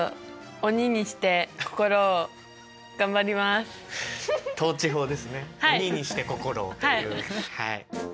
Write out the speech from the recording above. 「鬼にして心を」というはい。